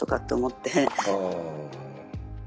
ああ。